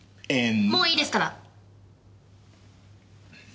もういいですから！